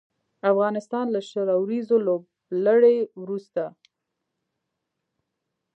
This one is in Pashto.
افغانستان له شل اوريزې لوبلړۍ وروسته